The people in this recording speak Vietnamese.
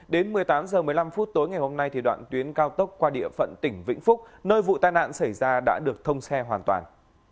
đến một mươi tám h một mươi năm phút tối ngày hôm nay đoạn tuyến cao tốc qua địa phận tỉnh vĩnh phúc nơi vụ tai nạn xảy ra đã được thông xe hoàn toàn